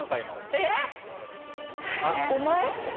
えっ！お前？